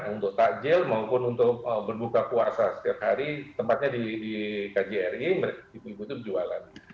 untuk takjil maupun untuk berbuka puasa setiap hari tempatnya di kjri ibu ibu itu berjualan